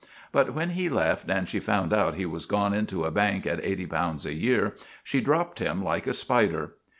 But when he left, and she found out he was gone into a bank at £80 a year, she dropped him like a spider.